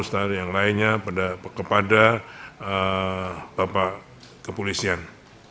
standar yang lainnya kepada bapak kepolisian